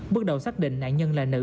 bước đầu xác định nạn nhân là nữ